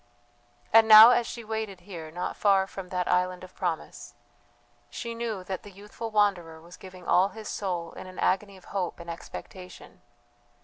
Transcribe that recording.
And now as she waited here not far from that island of promise, she knew that the youthful wanderer was giving all his soul in an agony of hope and expectation.